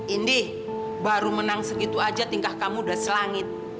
indih baru menang segitu aja tingkah kamu udah selangit